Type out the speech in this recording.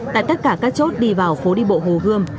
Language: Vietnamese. tại tất cả các chốt đi vào phố đi bộ hồ gươm